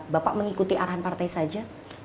bapak mengikuti arahan partai saja